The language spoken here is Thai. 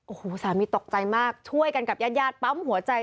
โอ้โหสามีตกใจมากช่วยกันกับญาติญาติปั๊มหัวใจ